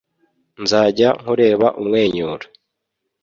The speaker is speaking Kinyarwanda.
Nzajya nkureba umwenyura